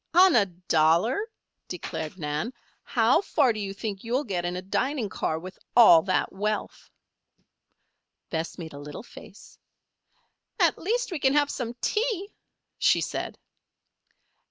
"On a dollar?" declared Nan. "How far do you think you'll get in a dining car with all that wealth?" Bess made a little face. "At least, we can have some tea," she said.